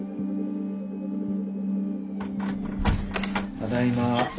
ただいま。